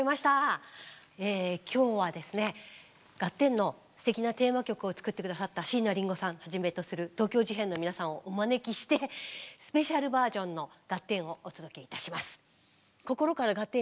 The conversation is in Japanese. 今日はですね「ガッテン！」のすてきなテーマ曲を作って下さった椎名林檎さんはじめとする東京事変の皆さんをお招きしてスペシャルバージョンの「ガッテン！」をお届けいたします。